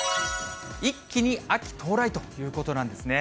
一気に秋到来ということなんですね。